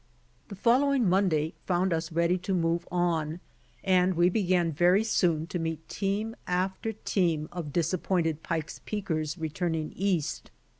The following Monday found us ready to move on, and we began very soon to meet team after team of disappointed '^Pike's Peakers" returning East.